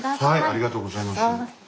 ありがとうございます。